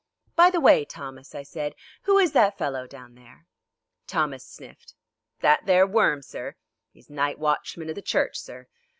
"By the way, Thomas," I said, "who is that fellow down there?" Thomas sniffed. "That there worm, sir? 'Es night watchman of the church, sir.